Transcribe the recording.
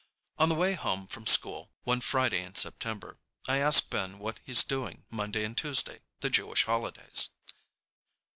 On the way home from school one Friday in September, I ask Ben what he's doing Monday and Tuesday, the Jewish holidays.